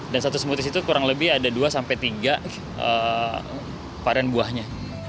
dan satu smoothies itu kurang lebih ada dua sampai tiga varian buahnya